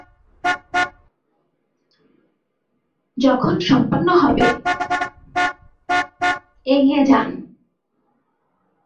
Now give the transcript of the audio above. প্রশাসনিকভাবে শহরটি সাতকানিয়া উপজেলার সদর।